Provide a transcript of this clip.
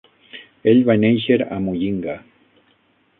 Ell va néixer a Muyinga.